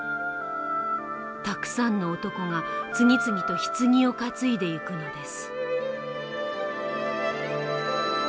たくさんの男が次々と柩を担いでいくのです」。